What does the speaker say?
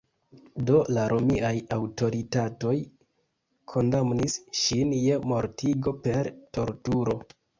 Do la romiaj aŭtoritatoj kondamnis ŝin je mortigo per torturo.